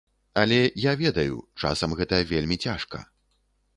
Але я ведаю, часам гэта вельмі цяжка.